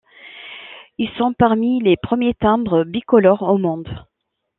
Ils sont parmi les premiers timbres bicolores au monde.